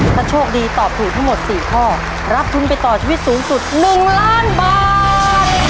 ถ้าโชคดีตอบถูกทั้งหมด๔ข้อรับทุนไปต่อชีวิตสูงสุด๑ล้านบาท